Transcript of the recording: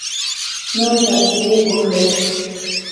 نوی تبصرې وکړئ